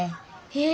え！